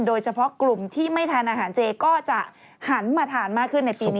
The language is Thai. โดยเฉพาะกลุ่มที่ไม่ทานอาหารเจก็จะหันมาทานมากขึ้นในปีนี้